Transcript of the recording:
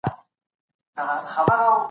په کور کې د درس لپاره بل څوک نه مجبورېږي.